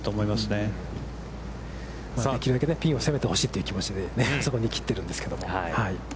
できるだけピンを攻めてほしいという気持ちであそこに切ってるんですけども。